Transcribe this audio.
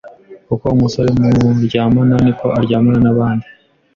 Uko umusore muryamana niko aryamana n’abandi.